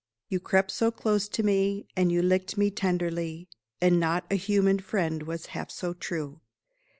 You crept so close to me, And you licked me tenderly, And not a human friend was half so true.